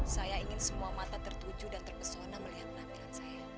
saya ingin semua mata tertuju dan terpesona melihat penampilan saya